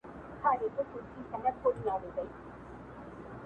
له نیکه مي اورېدلی مناجات د پخوانیو -